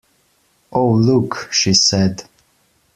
"Oh, look," she said.